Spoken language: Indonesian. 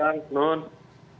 selamat malam nus